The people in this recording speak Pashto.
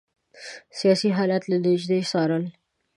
سیاسي حالات له نیژدې څارل.